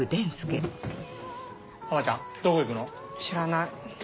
え知らない？